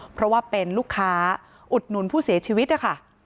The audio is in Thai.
เพราะว่าเป็นลูกค้าอุดหนุนผู้เสียชีวิตนะคะ